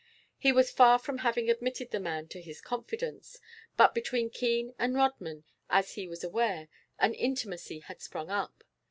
He was far from having admitted the man to his confidence, but between Keene and Rodman, as he was aware, an intimacy had sprung up.